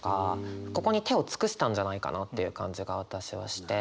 ここに手を尽くしたんじゃないかなっていう感じが私はして。